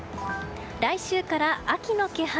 来週から秋の気配。